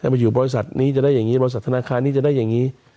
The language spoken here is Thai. มาอยู่บริษัทนี้จะได้อย่างนี้บริษัทธนาคารนี้จะได้อย่างนี้